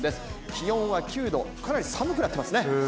気温は９度かなり寒くなっています